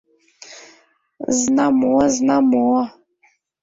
— Знамо, знамо.